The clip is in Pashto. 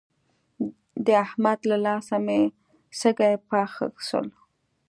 د احمد له لاسه مې سږي پاخه شول.